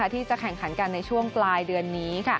ที่จะแข่งขันกันในช่วงปลายเดือนนี้